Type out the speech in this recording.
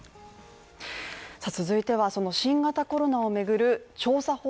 続いては新型コロナを巡る調査